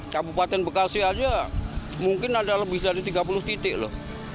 kabupaten bekasi aja mungkin ada lebih dari tiga puluh titik loh